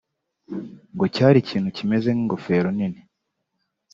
ngo cyari ikintu cyimeze nk’ingofero nini